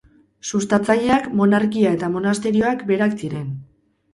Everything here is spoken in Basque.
Sustatzaileak monarkia eta monasterioak berak ziren.